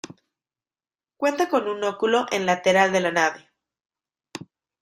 Cuenta con un óculo en lateral de la nave.